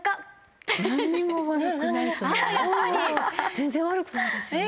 全然悪くないですよね。